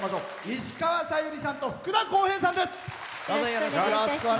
石川さゆりさんと福田こうへいさんです。